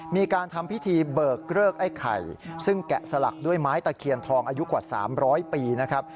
มีการทำพิธีเบิกเลิกไอ้ไข่ซึ่งแกะสลักด้วยไม้ตะเคียนทองอายุกว่า๓๐๐ปีนะครับ